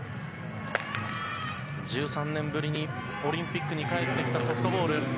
１３年ぶりにオリンピックに帰ってきたソフトボール。